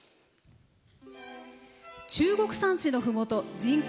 中国山地のふもと人口